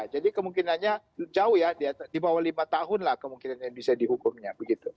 jadi kemungkinannya jauh ya di bawah lima tahun lah kemungkinan yang bisa dihukumnya begitu